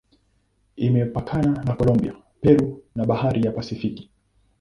Imepakana na Kolombia, Peru na Bahari ya Pasifiki.